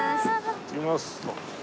いってきまーす。